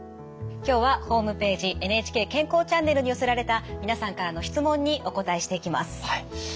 今日はホームページ「ＮＨＫ健康チャンネル」に寄せられた皆さんからの質問にお答えしていきます。